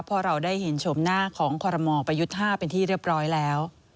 เพราะเราได้เห็นชมหน้าของคอรมอลประยุทธ์๕เป็นที่เรียบร้อยแล้ว